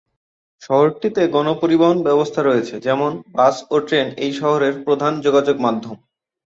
শহরটিতে গণপরিবহন ব্যবস্থা রয়েছে যেমন- বাস ও ট্রেন এই শহরের প্রধান যোগাযোগ মাধ্যম।